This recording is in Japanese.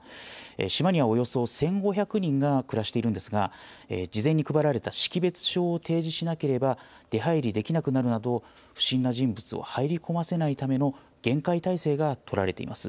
島にはおよそ１５００人が暮らしているんですが、事前に配られた識別証を提示しなければ出はいりできなくなるなど、不審な人物を入り込ませないための厳戒態勢が取られています。